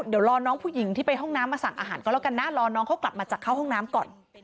เดี๋ยวรอน้องผู้หญิงที่ไปห้องน้ำมาสั่งอาหารก็แล้วกันนะรอน้องเขากลับมาจากเข้าห้องน้ำก่อน